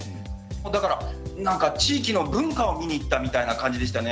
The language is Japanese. だから何か地域の文化を見に行ったみたいな感じでしたね。